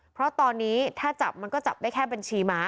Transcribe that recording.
เพราะตอนนี้ถ้าจับมันก็จับได้แค่บัญชีม้า